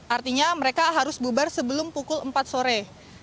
artinya mereka harus bubar sebelum pukul empat sore